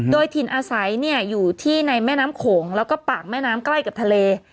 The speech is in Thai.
โดยถิ่นอาศัยอยู่ที่ในแม่น้ำโขงแล้วก็ปากแม่น้ำใกล้กับทะเล